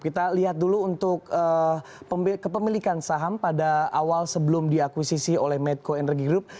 kita lihat dulu untuk kepemilikan saham pada awal sebelum diakuisisi oleh medco energy group